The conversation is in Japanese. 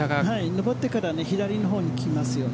上ってから左の方にきますよね。